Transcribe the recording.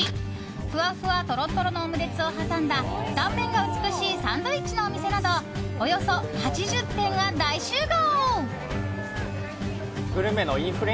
ふわふわ、とろとろのオムレツを挟んだ断面が美しいサンドイッチのお店などおよそ８０店が大集合！